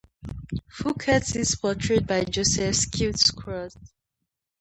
Fouquet is portrayed by Joseph Schildkraut.